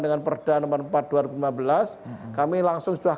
dengan perda nomor empat dua ribu lima belas kami langsung sudah